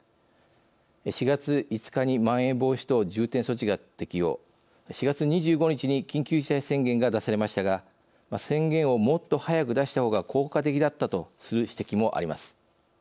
４月５日にまん延防止等重点措置が適用４月２５日に緊急事態宣言が出されましたが「宣言をもっと早く出したほうが効果的だった」とする指摘もあります。